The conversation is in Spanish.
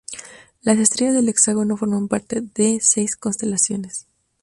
Las estrellas del hexágono forman parte de seis constelaciones.